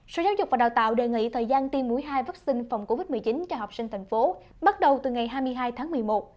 sở giáo dục và đào tạo đề nghị thời gian tiêm mũi hai vaccine phòng covid một mươi chín cho học sinh thành phố bắt đầu từ ngày hai mươi hai tháng một mươi một